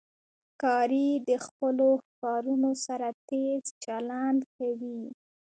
ښکاري د خپلو ښکارونو سره تیز چلند کوي.